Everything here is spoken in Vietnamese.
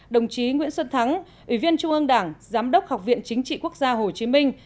đồng chí nguyễn xuân thắng ủy viên trung ương đảng giám đốc học viện chính trị quốc gia hồ chí minh